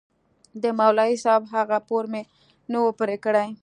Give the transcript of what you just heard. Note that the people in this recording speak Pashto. د مولوي صاحب هغه پور مې نه و پرې كړى.